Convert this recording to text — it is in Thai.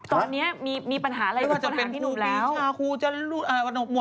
ตอนนี้มีปัญหาอะไรทุกคนหาพี่หนุ่มแล้ว